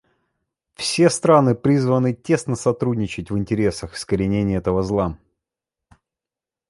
Все страны призваны тесно сотрудничать в интересах искоренения этого зла.